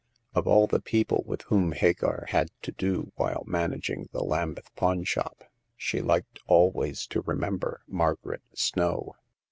Of all the people with whom Hagar had to do while managing the Lambeth pawn shop, she liked always to remember Margaret Snow.